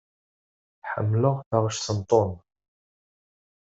Ḥemmleɣ taɣect n Tom.